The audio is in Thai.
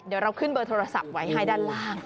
เดี๋ยวเราขึ้นเบอร์โทรศัพท์ไว้ให้ด้านล่าง